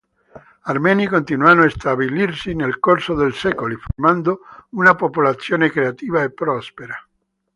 Armeni continuano a stabilirsi nel corso dei secoli, formando una popolazione creativa e prospera.